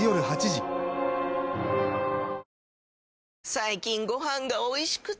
最近ご飯がおいしくて！